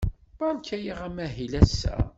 Beṛka-aɣ amahil ass-a.